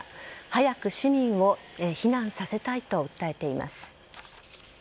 早く市民を避難させたいと訴えています。